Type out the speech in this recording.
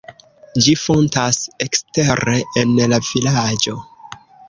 Ĝi fontas ekstere en la vilaĝo.